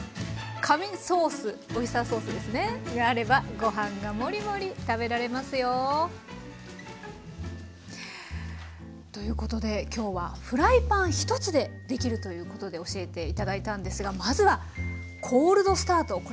神ソースオイスターソースがあればご飯がもりもり食べられますよ。ということで今日はフライパン１つでできるということで教えて頂いたんですがまずはコールドスタート。